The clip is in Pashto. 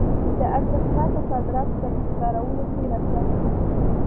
د ارزښتناکه صادراتو په انحصارولو تېره کړه.